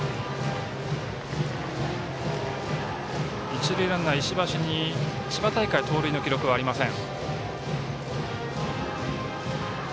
一塁ランナー、石橋に千葉大会、盗塁の記録ありません。